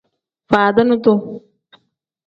Faadini duu.